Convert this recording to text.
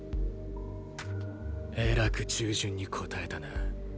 えらく従順に答えたな。